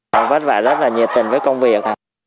cháu vất vả rất là nhiệt tình với công việc